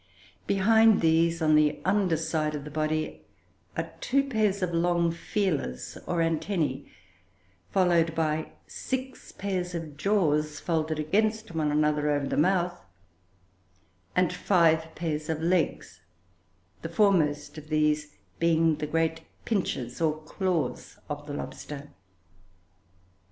Behind these, on the under side of the body, are two pairs of long feelers, or antennae, followed by six pairs of jaws folded against one another over the mouth, and five pairs of legs, the foremost of these being the great pinchers, or claws, of the lobster.